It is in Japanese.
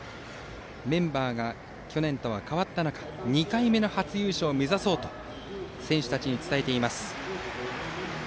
メンバーが去年とは変わった中２回目の初優勝を目指そうと選手たちに伝えています。